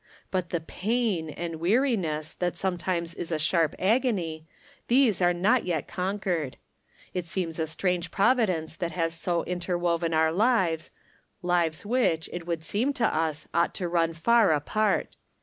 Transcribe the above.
But the pain and weariness, that some times is a sharp agony, these are not yet con quered. It seems a strange providence that has so interwoven our lives — olives which, it would seem to us, ought to run far apart.